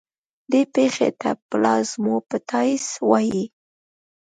دې پېښې ته پلازموپټایسس وایي.